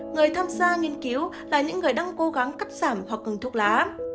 người tham gia nghiên cứu là những người đang cố gắng cắt giảm hoặc ngừng thuốc lá